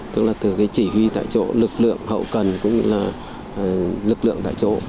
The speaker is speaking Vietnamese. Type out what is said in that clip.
tức là từ chỉ huy tại chỗ lực lượng hậu cần cũng như lực lượng tại chỗ